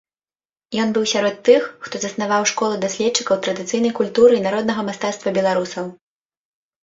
Ён быў сярод тых, хто заснаваў школу даследчыкаў традыцыйнай культуры і народнага мастацтва беларусаў.